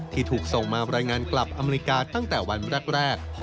ที่ถูกส่งมารายงานกลับอเมริกาตั้งแต่วันแรก